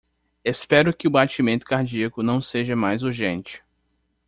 Espero que o batimento cardíaco não seja mais urgente.